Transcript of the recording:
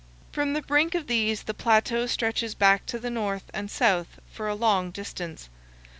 From the brink of these the plateau stretches back to the north and south for a long distance.